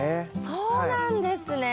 そうなんですね。